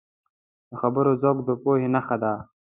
د خبرو ذوق د پوهې نښه ده